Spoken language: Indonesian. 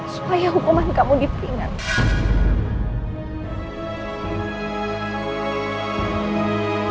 supaya hukuman kamu diperingati